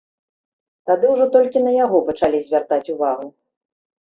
Тады ўжо толькі на яго пачалі звяртаць увагу.